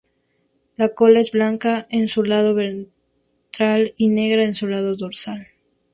La cola es blanca en su lado ventral y negra en su lado dorsal.